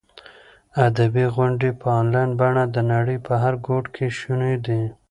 ادبي غونډې په انلاین بڼه د نړۍ په هر ګوټ کې شونې دي.